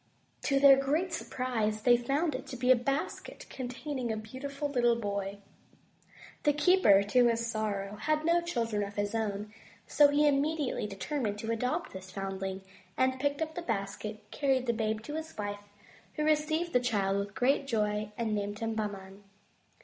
To their great surprise they found it to be a basket containing a beautiful little boy. The keeper, to his sorrow, had no chil dren of his own, so he immediately determined to adopt this foundling, and picking up the basket, carried the babe to his wife, who received the child with great joy and named him Bahman.